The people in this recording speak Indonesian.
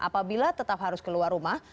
apabila tetap harus keluar rumah